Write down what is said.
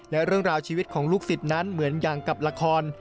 และเรื่องราวชีวิตของลูกศิษย์นั้นเหมือนอย่างกับละคร